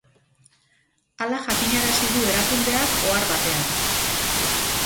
Hala jakinarazi du erakundeak ohar batean.